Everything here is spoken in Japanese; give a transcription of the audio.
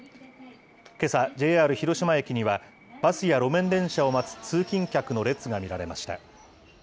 けさ、ＪＲ広島駅には、バスや路面電車を待つ通勤客の列が見られました。